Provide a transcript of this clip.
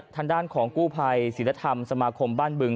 ทางด้านของกู้ภัยศิลธรรมสมาคมบ้านบึง